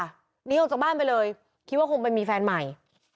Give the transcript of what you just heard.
หนีออกจากบ้านไปเลยคิดว่าคงไปมีแฟนใหม่